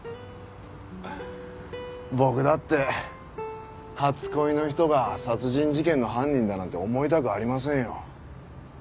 僕だって初恋の人が殺人事件の犯人だなんて思いたくありませんよ。